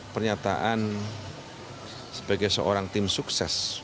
pernyataan sebagai seorang tim sukses